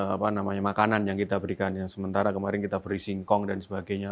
apa namanya makanan yang kita berikan yang sementara kemarin kita beri singkong dan sebagainya